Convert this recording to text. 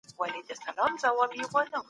جاپان هم د جرمني په څېر هیواد دی.